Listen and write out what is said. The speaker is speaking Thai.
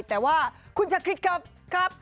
แต่ว่าคุณจะคิดครับครับ